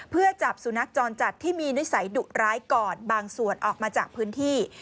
เพื่อจับสุนัขจรจัดที่มีนิสัยดุร้ายก่อนบางส่วนออกมาจากพื้นที่